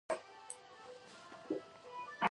آیا ټول یو ولسمشر مني؟